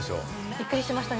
びっくりしましたね。